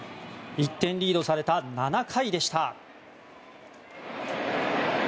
１点リードされた７回でした。